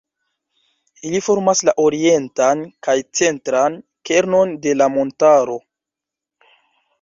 Ili formas la orientan kaj centran kernon de la montaro.